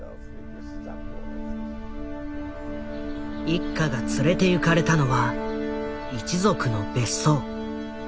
一家が連れてゆかれたのは一族の別荘。